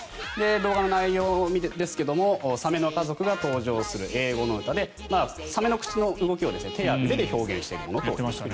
動画の内容ですがサメの家族が登場する英語の歌でサメの口の動きを手などで表現していると。